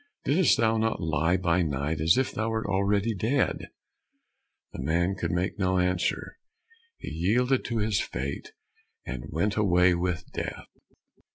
Didst thou not lie by night as if thou wert already dead? The man could make no answer; he yielded to his fate, and went away with Death.